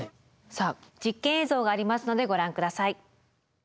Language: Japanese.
さあ実験映像がありますのでご覧下さい。